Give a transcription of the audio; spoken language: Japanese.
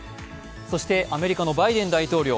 そしてアメリカのバイデン大統領